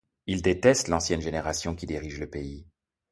Ils détestent l'ancienne génération qui dirige le pays.